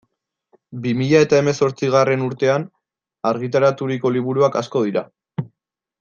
Bi mila eta hemezortzigarren urtean argitaraturiko liburuak asko dira.